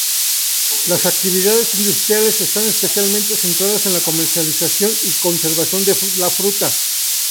Las actividades industriales están especialmente centradas en la comercialización y conservación de la fruta.